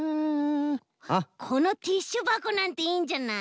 このティッシュばこなんていいんじゃない？